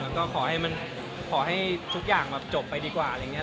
แล้วก็ขอให้มันขอให้ทุกอย่างจบไปดีกว่าอะไรอย่างนี้